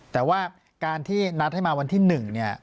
แต่ว่าการที่นัดให้มาวันที่๑เนี่ย